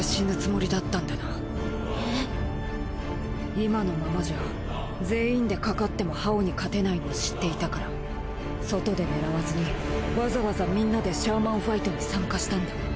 今のままじゃ全員でかかってもハオに勝てないの知っていたから外で狙わずにわざわざみんなでシャーマンファイトに参加したんだ。